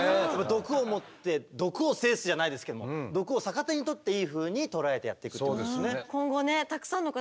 毒をもって毒を制すじゃないですけども毒を逆手にとっていいふうに捉えてやっていくってことですよね。